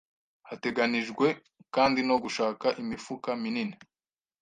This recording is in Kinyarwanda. hateganijwe kandi no gushaka imifuka minini